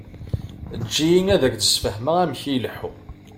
Eǧǧ-iyi ad ak-d-sfehmeɣ amek i ileḥḥu.